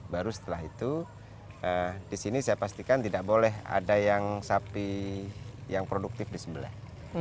baru setelah itu di sini saya pastikan tidak boleh ada yang sapi yang produktif di sebelah